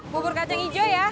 bubur kacang hijau ya